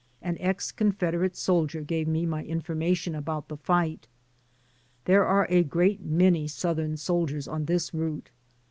An ex Confederate soldier gave me my information about the fight. There are a great many Southern soldiers on this route.